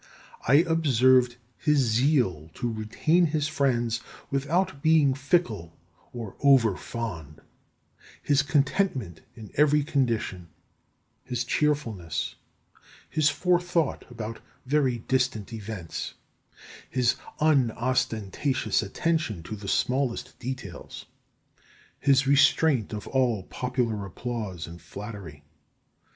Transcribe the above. I observed his zeal to retain his friends without being fickle or over fond; his contentment in every condition; his cheerfulness; his forethought about very distant events; his unostentatious attention to the smallest details; his restraint of all popular applause and flattery.